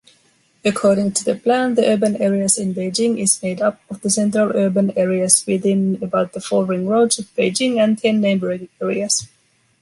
According to the plan, the urban areas in Beijing is made up of the central urban areas within about the four ring roads of Beijing and ten neighboring areas.